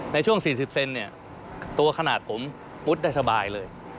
ในช่วง๔๐เซนเนี่ยตัวขนาดผมมุดได้สบายเลย